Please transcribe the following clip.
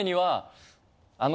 あの。